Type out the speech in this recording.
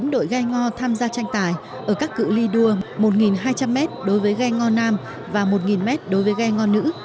năm mươi chín đội gây ngo tham gia tranh tải ở các cựu ly đua một hai trăm linh m đối với gây ngo nam và một m đối với gây ngo nữ